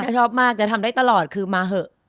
ชอบมากจะทำได้ตลอดคือมาเถอะ